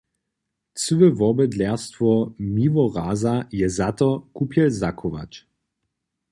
Cyłe wobydlerstwo Miłoraza je za to, kupjel zachować.